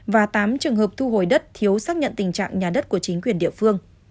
và tám trường hợp thu hồi đất thiếu xác nhận tình trạng nhà đất của chính quyền địa phương